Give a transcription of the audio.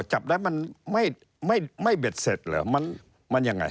จับได้มันไม่เบ็ดเสร็จเหรอมันยังไง